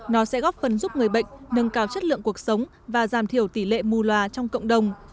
nó sẽ góp phần giúp người bệnh nâng cao chất lượng cuộc sống và giảm thiểu tỷ lệ mù loà trong cộng đồng